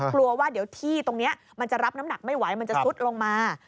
กลัวว่าเดี๋ยวที่ตรงนี้มันจะรับน้ำหนักไม่ไหวมันจะซุดลงมา